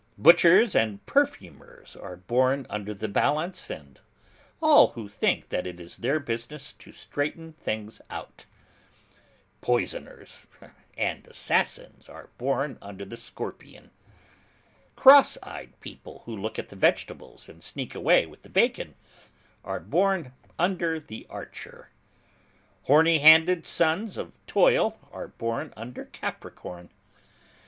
Butchers and perfumers are born under the Balance, and all who think that it is their business to straighten things out. Poisoners and assassins are born under the Scorpion. Cross eyed people who look at the vegetables and sneak away with the bacon, are born under the Archer. Horny handed sons of toil are born under Capricorn.